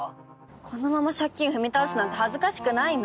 このまま借金踏み倒すなんて恥ずかしくないの？